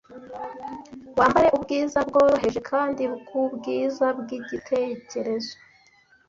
wambare ubwiza bworoheje kandi bwubwiza bwigitekerezo